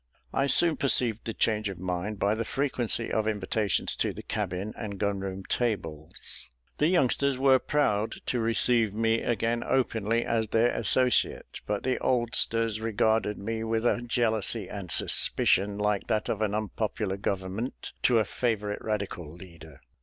I soon perceived the change of mind by the frequency of invitations to the cabin and gun room tables. The youngsters were proud to receive me again openly as their associate; but the oldsters regarded me with a jealousy and suspicion like that of an unpopular government to a favourite radical leader.